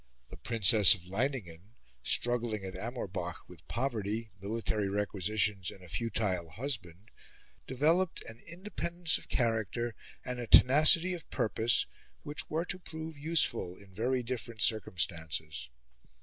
The Princess of Leiningen, struggling at Amorbach with poverty, military requisitions, and a futile husband, developed an independence of character and a tenacity of purpose which were to prove useful in very different circumstances.